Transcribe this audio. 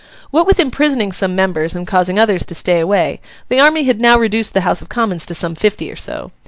What with imprisoning some members and causing others to stay away, the army had now reduced the House of Commons to some fifty or so.